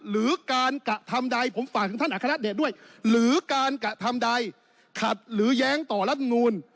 หรือการกระทำใดขัดหรือย้างต่อรัฐธรรมนูล